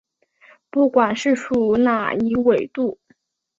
不管是属哪一纬度。